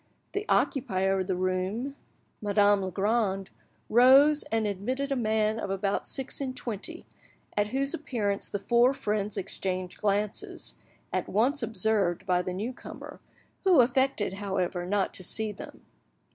The occupier of the room, Madame Legrand, rose, and admitted a man of about six and twenty, at whose appearance the four friends exchanged glances, at once observed by the new comer, who affected, however, not to see them.